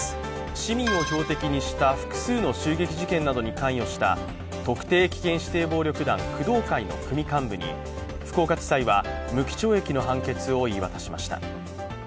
市民を標的にした複数の襲撃事件などに関与した特定危険指定暴力団・工藤会の組幹部に福岡地裁は、無期懲役の判決を言い渡しました。